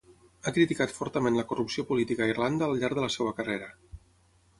Ha criticat fortament la corrupció política a Irlanda al llarg de la seva carrera.